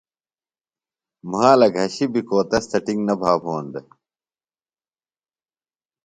مھالہ گھشیۡ بیۡ کو تس تھےۡ ٹِنگ نہ بھا بھون دےۡ۔